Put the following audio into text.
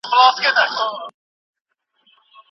تعليم دوامداره وي.